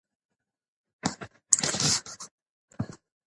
موږ به داسې یوه ټولنه جوړه کړو.